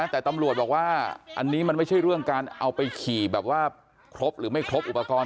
แต่ตำรวจบอกว่าอันนี้มันไม่ใช่เรื่องการเอาไปขี่แบบว่าครบหรือไม่ครบอุปกรณ์